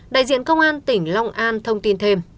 đại diện công an tỉnh long an thông tin thêm